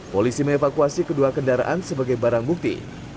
polisi mengevakuasi kedua kendaraan sebagai barang bukti